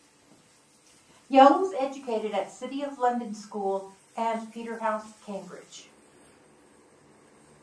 Young was educated at City of London School and Peterhouse, Cambridge.